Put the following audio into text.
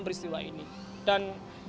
peristiwa ini dan